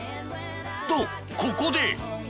［とここで］